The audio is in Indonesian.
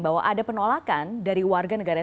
bahwa ada penolakan dari warga negara